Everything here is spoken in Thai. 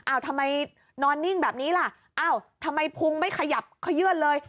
อ้าวทำไมนอนนิ่งแบบนี้แหละอ้าวทำไมขายับเขาเยื่อนเลย